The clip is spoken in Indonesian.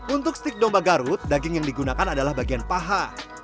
untuk stik domba garut daging yang digunakan adalah bagian paha